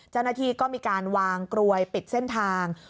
เจ้าหน้าที่ก็มีการวางกลวยปิดเส้นทาง